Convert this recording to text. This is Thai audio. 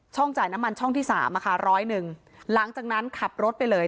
จ่ายน้ำมันช่องที่สามอะค่ะร้อยหนึ่งหลังจากนั้นขับรถไปเลย